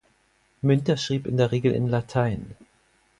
Münter schrieb in der Regel in Latein.